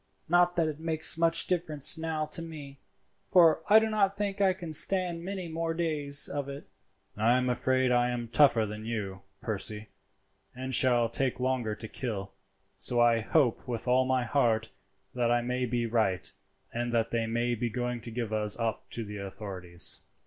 Not that it makes much difference now to me, for I do not think I can stand many more days of it." "I am afraid I am tougher than you, Percy, and shall take longer to kill, so I hope with all my heart that I may be right, and that they may be going to give us up to the authorities."